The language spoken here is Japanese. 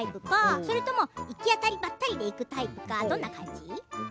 それとも行き当たりばったりで行くタイプどっち？